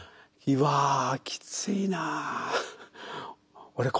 「うわきついなあ。